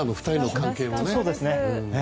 ２人の関係は。